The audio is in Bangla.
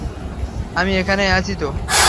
আমি এখানেই আছি তো!